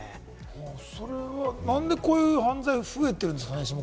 それは何でこういう犯罪が増えているんですかね？